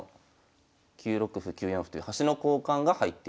９六歩９四歩という端の交換が入っている。